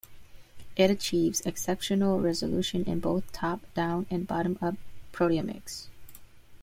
It achieves exceptional resolution in both top-down and bottom-up proteomics.